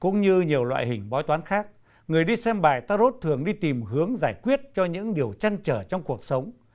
cũng như nhiều loại hình bói toán khác người đi xem bài tarot thường đi tìm hướng giải quyết cho những điều chăn trở trong cuộc sống